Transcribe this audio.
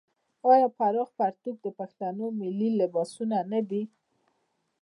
آیا پراخ پرتوګ د پښتنو ملي لباس نه دی؟